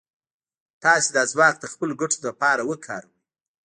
تاسې دا ځواک د خپلو ګټو لپاره وکاروئ.